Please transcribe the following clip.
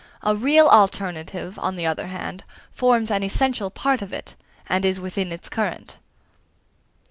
A real alternative, on the other hand, forms an essential part of it, and is within its current.